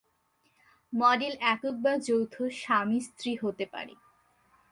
Model একক বা যৌথ/স্বামী-স্ত্রী হতে পারে।